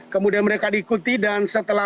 kemudian mereka diikuti dan setelah